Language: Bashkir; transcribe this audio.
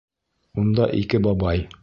Унда ике бабай.